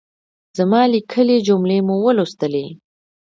زما ليکلۍ جملې مو ولوستلې؟